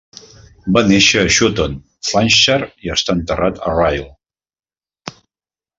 Va néixer a Shotton, Flintshire i està enterrat a Rhyl.